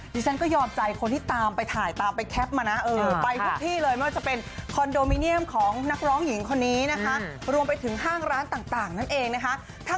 ฉันก็ยอมใจคนที่ตามไปถ่ายตามไปแคปมานะไปทุกที่เลยไม่ว่าจะเป็นคอนโดมิเนียมของนักร้องหญิงคนนี้นะคะรวมไปถึงห้างร้านต่างนั่นเองนะคะ